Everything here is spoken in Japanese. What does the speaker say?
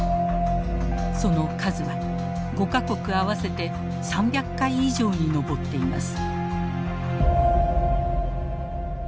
その数は５か国合わせて３００回以上に上っています。